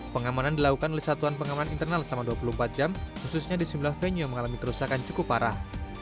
pengamanan dilakukan oleh satuan pengaman internal selama dua puluh empat jam khususnya di sebelah venue mengalami kerusakan cukup parah